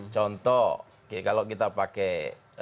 contoh kalau kita pakai